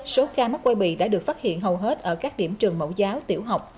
số ca mắc quay bị đã được phát hiện hầu hết ở các điểm trường mẫu giáo tiểu học